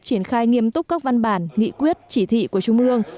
triển khai nghiêm túc các văn bản nghị quyết chỉ thị của trung ương